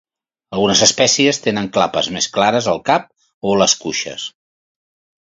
Algunes espècies tenen clapes més clares al cap o les cuixes.